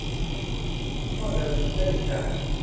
ก็เดินเล่นจาก